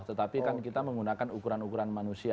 tetapi kan kita menggunakan ukuran ukuran manusia